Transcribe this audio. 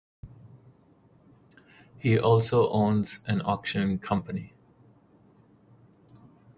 He also owns an auctioning company.